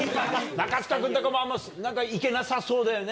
中務君とかも、何かいけなさそうだよね。